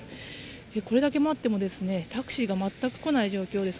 これだけ待ってもタクシーがまったく来ない状況です。